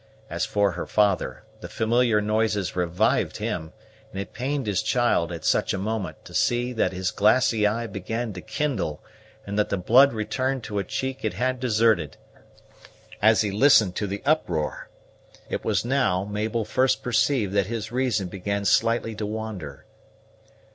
As for her father, the familiar noises revived him; and it pained his child, at such a moment, to see that his glassy eye began to kindle, and that the blood returned to a cheek it had deserted, as he listened to the uproar. It was now Mabel first perceived that his reason began slightly to wander.